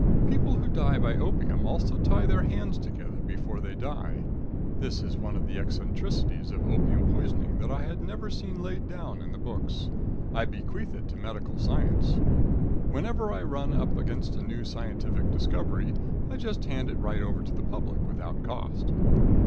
People who die by opium also tie their hands together before they die. This is one of the eccentricities of opium poisoning that I have never seen laid down in the books. I bequeath it to medical science. Whenever I run up against a new scientific discovery, I just hand it right over to the public without cost.